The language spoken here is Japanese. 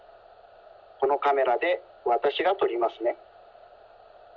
このカメラでわたしがとりますね。